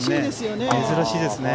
珍しいですよね。